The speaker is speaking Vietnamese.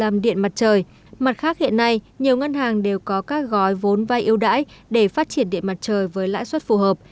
mặt khác hiện nay nhiều ngân hàng đều có các gói vốn vai ưu đãi để phát triển điện mặt trời với lãi suất phù hợp